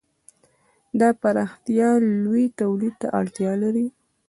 دا پراختیا لوی تولید ته اړتیا لري.